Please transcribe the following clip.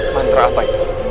mantra apa itu